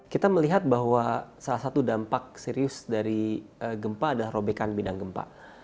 kita melihat bahwa salah satu dampak serius dari gempa adalah robekan bidang gempa